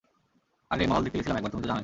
আরে মহল দেখতে গেছিলাম একবার, তুমি তো জানোই।